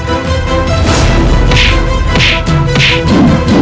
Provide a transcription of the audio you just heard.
kalau set ivan untuk mendatangmu